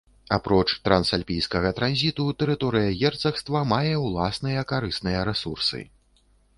Апроч трансальпійскага транзіту, тэрыторыя герцагства мае ўласныя карысныя рэсурсы.